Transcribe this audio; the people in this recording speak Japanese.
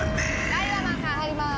・ダイワマンさん入りまーす！